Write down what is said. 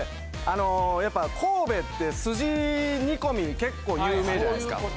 あのやっぱ神戸ってすじ煮込み結構有名じゃないですか。